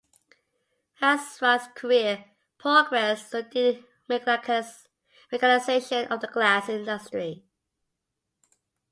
As Wright's career progressed, so did the mechanization of the glass industry.